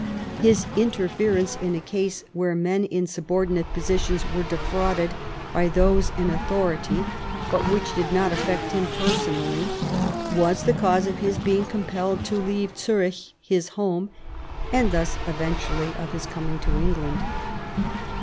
His inter ference in a case where men in subordinate positions were defrauded by those in authority, but which did not affect him personally, was the cause of his being compelled to leave Zurich, his home, and thus, event ually, of his coming to England.